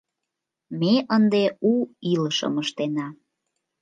Ме ынде у илышым ыштена.